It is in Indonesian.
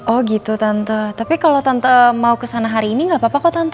oh gitu tante tapi kalau mau kesana hari ini gak apa apa kok tante